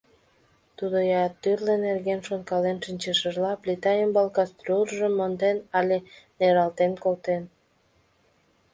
Тудо, я тӱрлӧ нерген шонкален шинчышыжла, плита ӱмбал каструльжым монден але нералтен колтен.